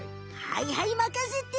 はいはいまかせて！